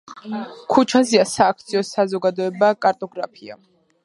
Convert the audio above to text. ქუჩაზეა სააქციო საზოგადოება „კარტოგრაფია“.